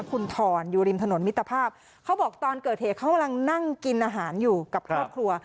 คุณทรอยู่ริมถนนมิตรภาพเขาบอกตอนเกิดเหตุเขากำลังนั่งกินอาหารอยู่กับครอบครัว